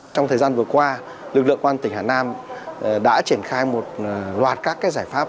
trong thời gian vừa qua lực lượng quan tỉnh hà nam đã triển khai một loạt các giải pháp